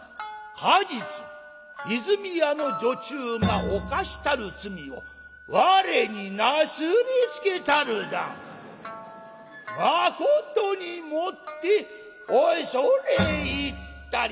「過日和泉屋の女中が犯したる罪を我になすりつけたる段まことにもって恐れ入ったり」。